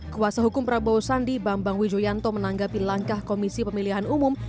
kuasa hukum prabowo sandi bambang wijoyanto menanggapi langkah komisi pemilihan umum